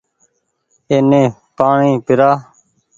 اني پآڻيٚ پيرآ